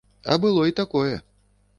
А было і такое.